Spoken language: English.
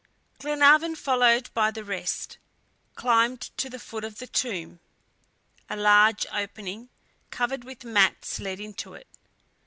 Glenarvan, followed by the rest, climbed to the foot of the tomb. A large opening, covered with mats, led into it.